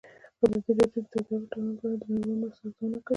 ازادي راډیو د سوداګریز تړونونه په اړه د نړیوالو مرستو ارزونه کړې.